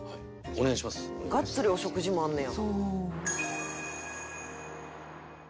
「がっつりお食事もあんねや」